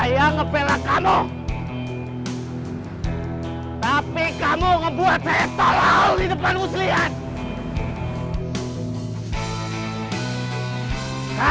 jangan lupa like share dan subscribe